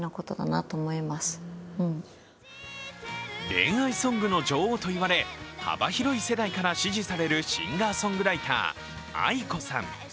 恋愛ソングの女王といわれ幅広い世代から支持されるシンガーソングライター・ａｉｋｏさん